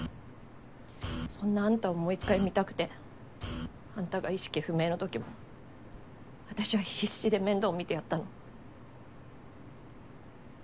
そんなあんたをもう一回見たくてあんたが意識不明のときも私は必死で面倒見てやったの。